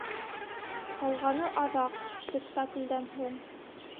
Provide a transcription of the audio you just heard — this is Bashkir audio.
Ҡалғаны -аҙаҡ, спектаклдән һуң.